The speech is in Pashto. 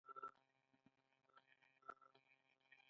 چي زه نه وم نو ته به څه کوي